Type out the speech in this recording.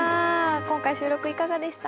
今回収録いかがでした？